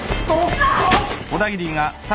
あっ。